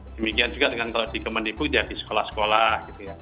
demikian juga dengan kementerian kesehatan di kementikbud di sekolah sekolah